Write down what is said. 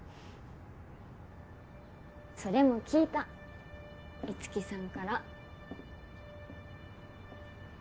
それも聞いた樹さんから。